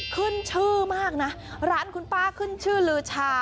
ขึ้นชื่อมากนะร้านคุณป้าขึ้นชื่อลือชา